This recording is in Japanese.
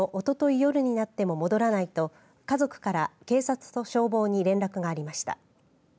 夜になっても戻らないと家族から警察と消防に連絡がありました。